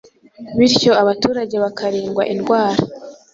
bityo abaturage bakarindwa indwara